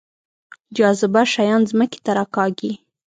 جاذبه شیان ځمکې ته راکاږي